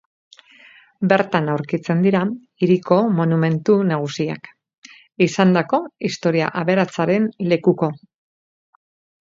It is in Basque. Bertan aurkitzen dira hiriko monumentu nagusiak, izandako historia aberatsaren lekuko.